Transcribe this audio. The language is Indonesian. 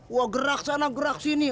wah gerak sana gerak sini